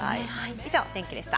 以上、お天気でした。